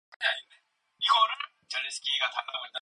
옥점이는 무엇이 그리 급한지 휙 빼앗는 듯이 받아 가지고 쿵쿵 뛰어나간다.